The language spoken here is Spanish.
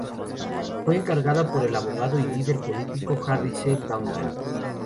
Fue encargada por el abogado y líder político Harry C. Duncan.